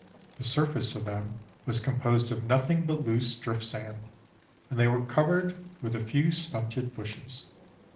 The surface of them was composed of nothing but loose drift sand, and they were covered with a few stunted bushes.